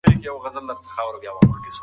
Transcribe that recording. که زده کړه عملي وي ګټه یې ډېره ده.